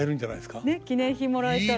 ねえ記念品もらえたら。